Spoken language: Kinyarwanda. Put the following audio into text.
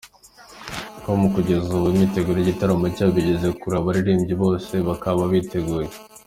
com ko kugeza ubu imyeteguro y'igitaramo cyabo igeze kure, abaririmbyi bose bakaba biteguye.